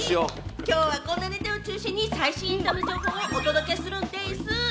今日はこんなネタを中心に最新エンタメ情報をお届けするんでぃす！